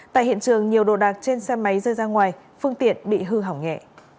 tại hiện trường nhiều đồ đạc trên xe máy rơi ra ngoài phương tiện bị hư hỏng nhẹ